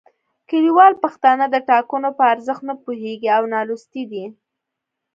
کلیوال پښتانه د ټاکنو په ارزښت نه پوهیږي او نالوستي دي